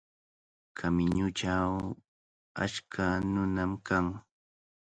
Kamiñuchaw achka nunam kan.